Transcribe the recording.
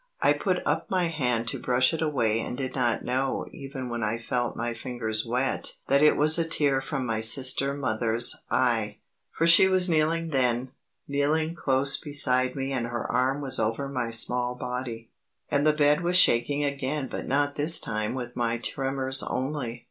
I put up my hand to brush it away and did not know even when I felt my fingers wet that it was a tear from my sister mother's eye. For she was kneeling then; kneeling close beside me and her arm was over my small body; and the bed was shaking again but not this time with my tremors only.